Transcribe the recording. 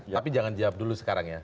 tapi jangan jawab dulu sekarang ya